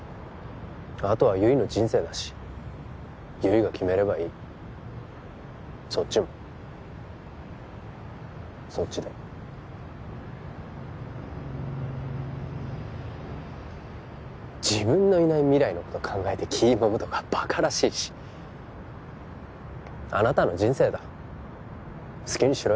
あとは悠依の人生だし悠依が決めればいいそっちもそっちで自分のいない未来のこと考えて気もむとかバカらしいしあなたの人生だ好きにしろ